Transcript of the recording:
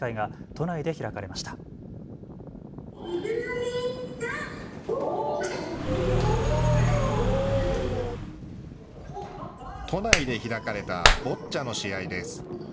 都内で開かれたボッチャの試合です。